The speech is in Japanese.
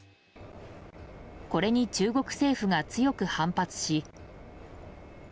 これに中国政府が強く反発し。